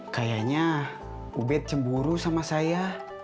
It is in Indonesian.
kayaknya ubed cemburu sama saya